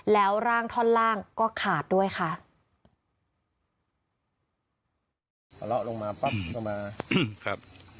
แล้วร่างท่อนร่างก็ขาดด้วยค่ะ